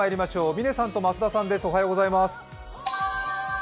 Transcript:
嶺さんと増田さんです。